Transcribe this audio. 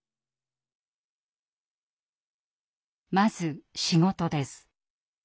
まず仕事です。